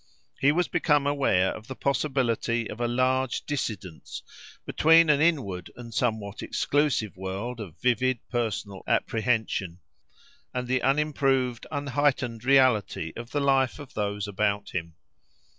He was become aware of the possibility of a large dissidence between an inward and somewhat exclusive world of vivid personal apprehension, and the unimproved, unheightened reality of the life of those about him.